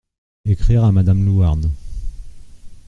Écrire à madame Louarn.